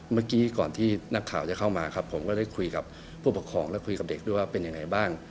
เมื่อกี้ก่อนที่นักข่าวจะเข้ามาครับผมก็ได้คุยกับผู้ปกครองและคุยกับเด็กด้วยว่าเป็นยังไงบ้าง